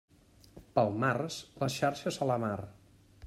Pel març, les xarxes a la mar.